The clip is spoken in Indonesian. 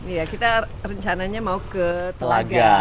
iya kita rencananya mau ke telaga